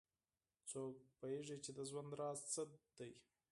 څوک پوهیږي چې د ژوند راز څه ده